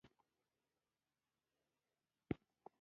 اهک او ګچ کولای شي خاوره و رغوي.